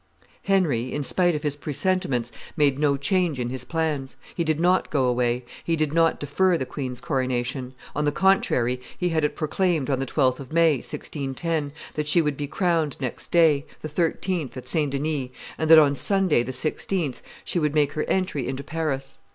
Henry, in spite of his presentiments, made no change in his plans; he did not go away; he did not defer the queen's coronation; on the contrary, he had it proclaimed on the 12th of May, 1610, that she would be crowned next day, the 13th, at St. Denis, and that on Sunday, the 16th, she would make her entry into Paris.